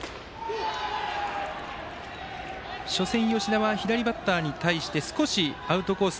初戦吉田は左バッターに対し少しアウトコース